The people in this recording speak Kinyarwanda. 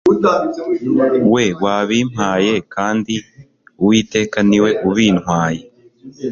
we wabimpaye kandi uwiteka ni we ubintwaye